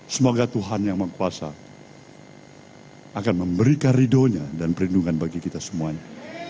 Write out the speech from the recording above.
semoga tuhan yang maha kuasa akan memberikan ridhonya dan perlindungan bagi kita semuanya